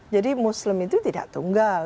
jadi muslim itu tidak tunggal